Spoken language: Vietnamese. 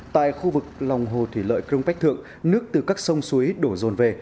tại khu vực lòng hồ thủy lợi cronpac thượng nước từ các sông suối đổ dồn về